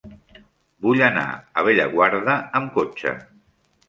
Vull anar a Bellaguarda amb cotxe.